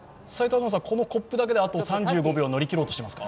このコップだけであと３５秒を乗り切ろうとしていますか？